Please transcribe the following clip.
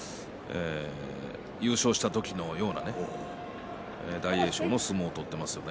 優勝した時のような大栄翔の相撲を取っていますよね。